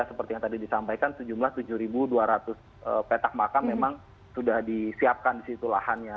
seperti yang tadi disampaikan sejumlah tujuh dua ratus petak makam memang sudah disiapkan di situ lahannya